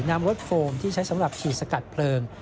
นำรถโฟมที่ใช้สำหรับขี่สกัดเพลิง